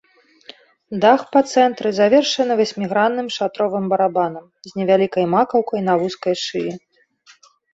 Дах па цэнтры завершаны васьмігранным шатровым барабанам з невялікай макаўкай на вузкай шыі.